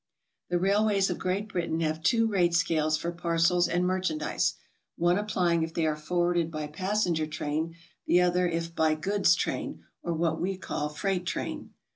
The railways of Great Britain have two rate scales for parcels and m.erchandise, one applying if they are forwarded by passenger train, the other if by goods train, or what we call freight train.